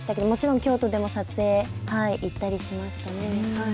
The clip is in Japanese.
もちろん、京都でも撮影、行ったりしましたね。